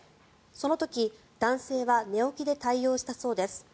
その時、男性は寝起きで対応したそうです。